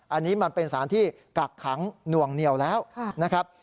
อันนี้มันเป็นสารที่กักขังหน่วงเหนียวแล้วนะครับ